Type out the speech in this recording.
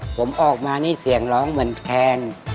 ผมออกมานี่เสียงร้องเหมือนแคน